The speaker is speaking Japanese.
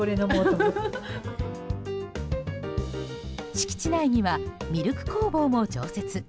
敷地内にはミルク工房も常設。